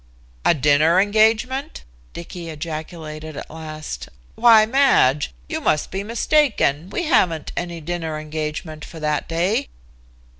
"A dinner engagement!" Dicky ejaculated at last. "Why, Madge, you must be mistaken. We haven't any dinner engagement for that day."